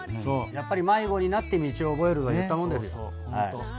やっぱり迷子になって道を覚えるってよく言ったもんだ。